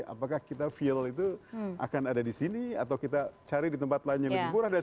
apakah kita feel itu akan ada disini atau kita cari di tempat lain yang lebih murah dan sebagainya